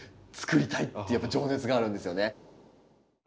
つくりたいっていうやっぱ情熱があるんですよね。